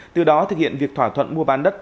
từ đó thực hiện việc thỏa thuận mua bán đất